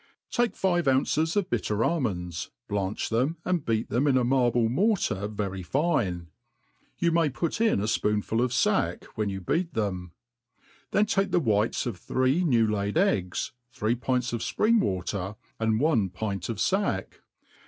TAKE five ounces of bitter almonds, blanch them and beat them in a marble mortar very fine. You may put in a fpoonful pf fack when you beat them ; then tak^ the whites of three new laid eggs, three pints of fpring water, and one pint of fack.